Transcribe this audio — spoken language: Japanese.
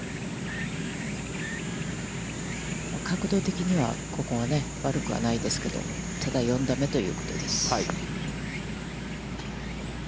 角度的には、ここは、悪くはないですけど、ただ４打目ということです。